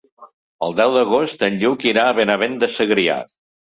El deu d'agost en Lluc irà a Benavent de Segrià.